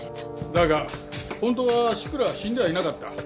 だが本当は志倉は死んではいなかった。